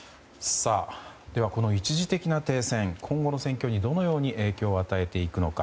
では、この一時的な停戦今後の戦況にどのように影響を与えていくのか。